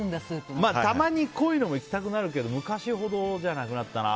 たまに濃いのも行きたくなるけど昔ほどじゃなくなったな。